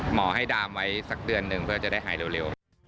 หมอให้ดามไว้สักเดือนหนึ่งเพื่อจะได้หายเร็ว